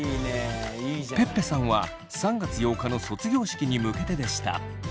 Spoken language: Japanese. ぺっぺさんは３月８日の卒業式に向けてでした。